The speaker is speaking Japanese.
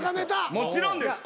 もちろんです。